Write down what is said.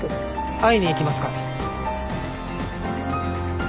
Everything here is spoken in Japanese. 会いに行きますから。